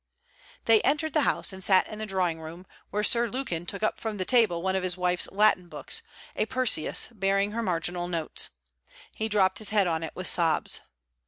They entered the house, and sat in the drawing room, where Sir Lukin took up from the table one of his wife's Latin books, a Persius, bearing her marginal notes. He dropped his head on it, with sobs.